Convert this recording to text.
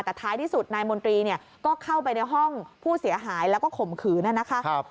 แต่ท้ายที่สุดนายมนตรีเนี่ยก็เข้าไปในห้องผู้เสียหายแล้วก็ข่มขืนนะคะ